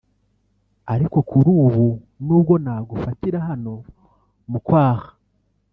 Ariko kuri ubu nubwo nagufatira hano mu kwaha